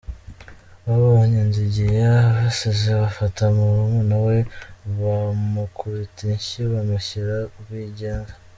Babonye Nzigiye abasize bafata murumuna we; bamukubita inshyi bamushyira Rwigenza.